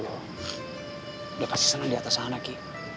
udah pasti senang diatas sana ki